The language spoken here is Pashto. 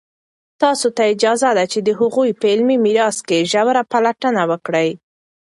تاسو ته اجازه ده چې د هغوی په علمي میراث کې ژوره پلټنه وکړئ.